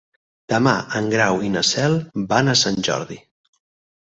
Demà en Grau i na Cel van a Sant Jordi.